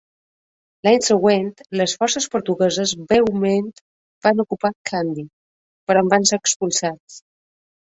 L'any següent les forces portugueses breument van ocupar Kandy, però en van ser expulsats.